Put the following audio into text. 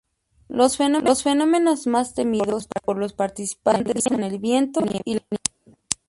Los fenómenos más temidos por los participantes son el viento y la nieve.